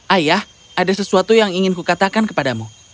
ayah ada sesuatu yang ingin kukatakan kepadamu